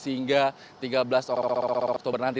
hingga tiga belas oktober nanti